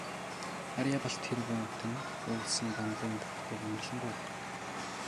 Арьяабал тэргүүтэн үйлсийн Дандарын бурхдыг амарлингуй бурхад гэнэ.